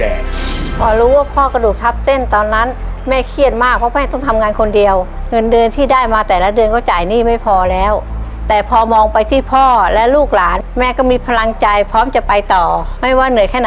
หรือต้องคำถามเห็นว่าพ่อกระดูกทัพเซ่นตอนนั้นแม่เครียดมากเพราะไม่ต้องทำงานคนเดียวเงินเดือนที่ได้มาแต่ละเดือนก็จ่ายหนี้ไม่พอแล้ว